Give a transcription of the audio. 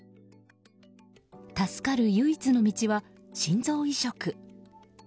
助かる唯一の道は、心臓移植。